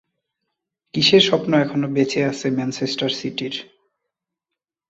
কিসের স্বপ্ন এখনো বেঁচে আছে ম্যানচেস্টার সিটির?